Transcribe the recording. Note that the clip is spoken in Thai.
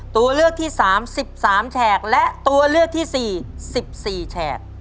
ตัวเลือกที่๓๑๓แฉกและตัวเลือกที่๔๑๔แฉก